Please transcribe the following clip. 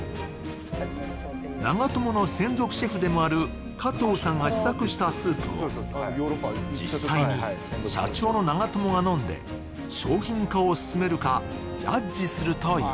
長友の専属シェフでもある加藤さんが試作したスープを実際に社長の長友の案で商品化を進めるかジャッジするという。